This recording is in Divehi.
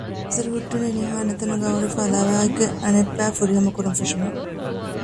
އެންމެންގެ ނަޒަރު ހުއްޓުނީ ނިހާން އެތަނުގައި ހުރެފައި ލަވައިގެ އަނެއްބައި ފުރިހަމަ ކުރަން ފެށުމުން